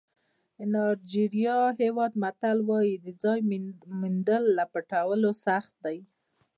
د نایجېریا هېواد متل وایي ځای موندل له پټولو سخت دي.